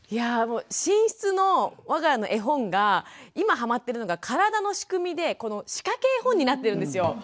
寝室のわが家の絵本が今はまってるのが体の仕組みで仕掛け絵本になってるんですよ。